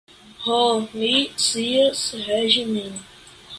Ho, mi scias regi min.